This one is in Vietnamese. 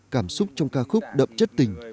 cảm xúc trong ca khúc đậm chất tình